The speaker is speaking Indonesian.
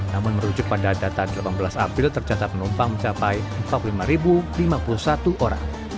namun merujuk pada data delapan belas april tercatat penumpang mencapai empat puluh lima lima puluh satu orang